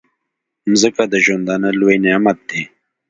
مځکه د ژوندانه لوی نعمت دی.